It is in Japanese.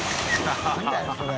何だよそれ。